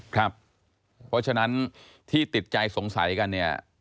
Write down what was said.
เพราะฉะนั้นที่ติดใจสงสัยกันเนี่ย